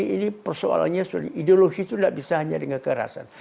ini persoalannya sudah ideologi itu tidak bisa hanya dengan kekerasan